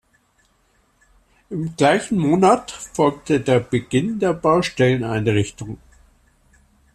Im gleichen Monat folgte der Beginn der Baustelleneinrichtung.